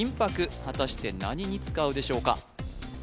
果たして何に使うでしょうか？